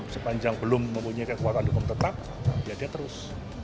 sepanjang belum mempunyai kekuatan hukum tetap ya dia terus